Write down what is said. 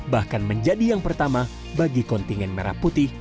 bahkan menjadi yang pertama bagi kontingen merah putih